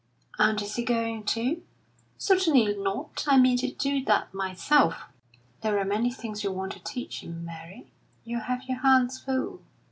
"And is he going to?" "Certainly not. I mean to do that myself." "There are many things you want to teach me, Mary. You'll have your hands full."